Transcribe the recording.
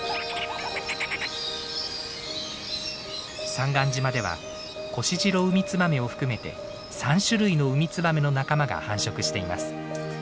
三貫島ではコシジロウミツバメを含めて３種類のウミツバメの仲間が繁殖しています。